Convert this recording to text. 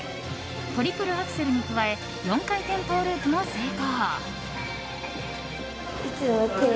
トリプルアクセルに加え４回転トウループも成功。